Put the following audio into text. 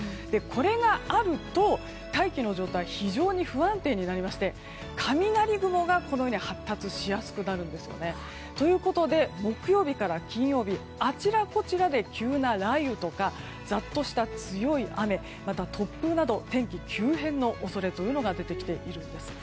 これがあると、大気の状態が非常に不安定になりまして雷雲がこのように発達しやすくなるんですよね。ということで木曜日から金曜日あちらこちらで急な雷雨とかざっとした強い雨また、突風など天気急変の恐れというのが出てきているんです。